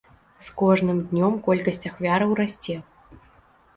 З кожным днём колькасць ахвяраў расце.